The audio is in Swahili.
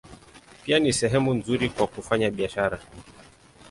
Pia ni sehemu nzuri kwa kufanya biashara.